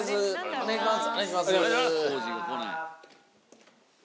お願いします。